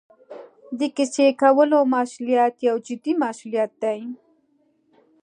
د کیسې کولو مسوولیت یو جدي مسوولیت دی.